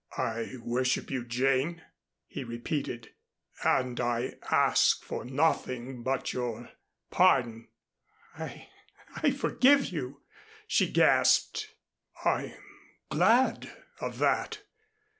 "I worship you, Jane," he repeated, "and I ask for nothing but your pardon." "I I forgive you," she gasped. "I'm glad of that.